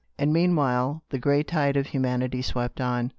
' And meanwhile, the great tide of humanity swept on.